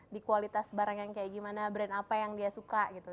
di kualitas barang yang kayak gimana brand apa yang dia suka gitu